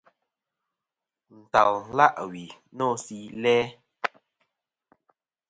Ntal la' wi no si læ.